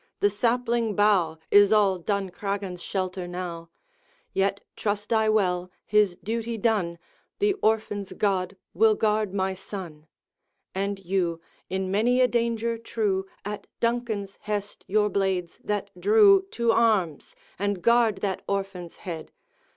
the sapling bough Is all Duncraggan's shelter now Yet trust I well, his duty done, The orphan's God will guard my son. And you, in many a danger true At Duncan's hest your blades that drew, To arms, and guard that orphan's head!